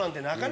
何？